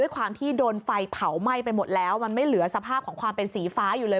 ความที่โดนไฟเผาไหม้ไปหมดแล้วมันไม่เหลือสภาพของความเป็นสีฟ้าอยู่เลย